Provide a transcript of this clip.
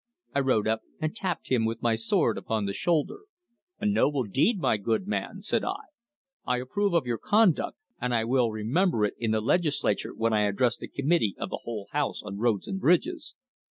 I rode up, and tapped him with my sword upon the shoulder. 'A noble deed, my good man,' said I. 'I approve of your conduct, and I will remember it in the Legislature when I address the committee of the whole house on roads and bridges.